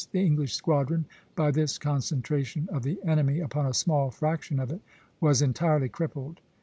The English squadron, by this concentration of the enemy upon a small fraction of it, was entirely crippled.